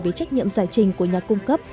về trách nhiệm giải trình của nhà cung cấp